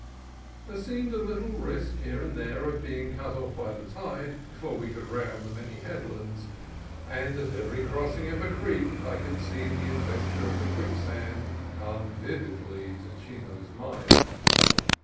There seemed a little risk here and there of being cut off by the tide before we could round the many headlands, and at every crossing of a creek I could see that the adventure of the quicksand came vividly to Chino's mind.